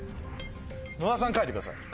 野田さん書いてください。